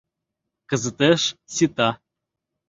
Кызытеш сита.